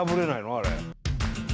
あれ。